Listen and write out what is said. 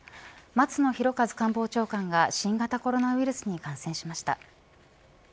松野博一官房長官が新型コロナウイルスに感染しました。